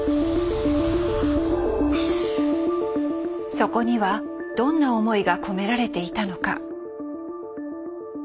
そこにはどんな思いが込められていたのか。